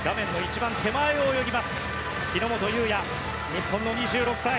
日本の２６歳。